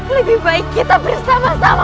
lebih baik kita bersama sama